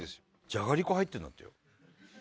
じゃがりこ入ってるんだってよ。